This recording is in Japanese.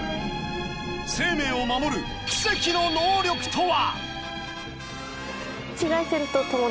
生命を守る奇跡の能力とは！？